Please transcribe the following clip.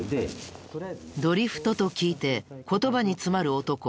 ドリフトと聞いて言葉に詰まる男。